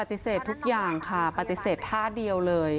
ปฏิเสธทุกอย่างค่ะปฏิเสธท่าเดียว